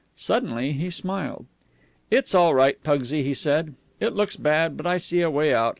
Suddenly he smiled. "It's all right, Pugsy," he said. "It looks bad, but I see a way out.